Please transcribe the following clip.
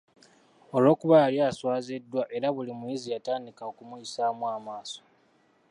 Olw’okuba yali aswaziddwa eri buli muyizi yatandika okumuyisaamu amaaso.